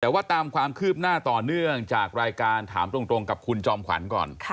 แต่ว่าตามความคืบหน้าต่อเนื่องจากรายการถามตรงกับคุณจอมขวัญก่อน